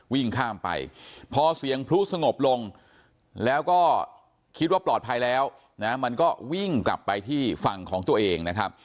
วิ่งข้ามไปพอเสียงพลุสงบลงแล้วก็คิดว่าปลอดภัยแล้วนะมันก็วิ่งกลับไปที่ฝั่งของตัวเองนะครับ